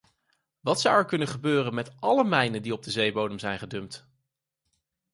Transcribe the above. Wat zou er kunnen gebeuren met alle mijnen die op de zeebodem zijn gedumpt?